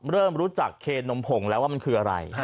เริ่มรู้จักเคนมผงแล้วว่ามันคืออะไร